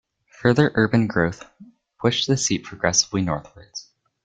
Further urban growth pushed the seat progressively northwards.